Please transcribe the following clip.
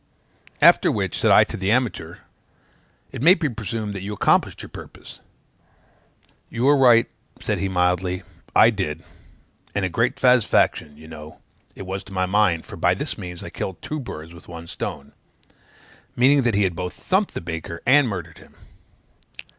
After which, said I to the amateur, "It may be presumed that you accomplished your purpose." "You are right," said he mildly, "I did; and a great satisfaction, you know, it was to my mind, for by this means I killed two birds with one stone;" meaning that he had both thumped the baker and murdered him.